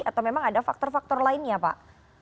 atau memang ada faktor faktor lainnya pak